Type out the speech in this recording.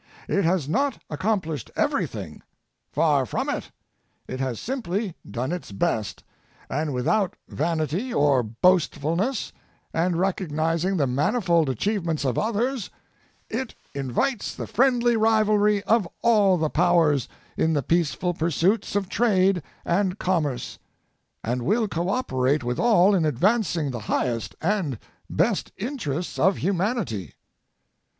It has not accomplished everything ; far from it. It has simply done its best, and without vanity or boast Last Speech of William McKinley. 5 fulness, and recognizing the manifold achievements of others, it invites the friendly rivalry of all the powers in the peaceful pursuits of trade and com merce, and will cooperate with all in advancing the highest and best interests of humanity.